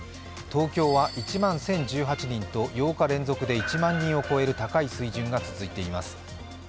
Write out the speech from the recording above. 東京は１万１０１８人と８日連続で１万人を超える高い水準が続いています。